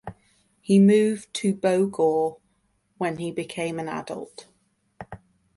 He moved to Bogor when he became an adult.